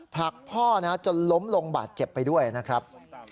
ผลักพ่อนะจนล้มลงบาดเจ็บไปด้วยนะครับ